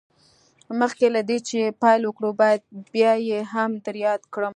مخکې له دې چې پيل وکړو بايد بيا يې هم در ياده کړم.